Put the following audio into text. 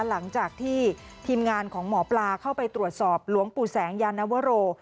หลังจากที่ทีมงานของหมอปลาเข้าไปตรวจสอบหลวงปู่แสงยานวโร